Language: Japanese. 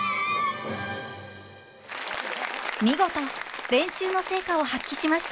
見事練習の成果を発揮しました！